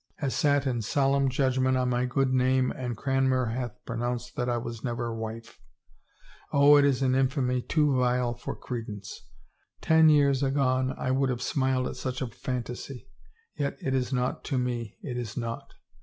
— has sat in solemn judgment on my good name and Cranmer hath pronounced that I was never wife! Oh, it is an infamy too vile for credence — ten years agone I would have smiled at such a phantasy. ... Yet it is naught to me, it is naught!